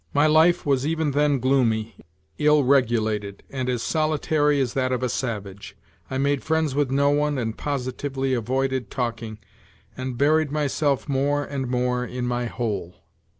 My life was even then gloomy, ill regulated, and as solitary as that of a savage. I made friends with no one and positively avoided talking, and G ^2 NOTES FROM UNDERGROUND buried myself more and more in my hole.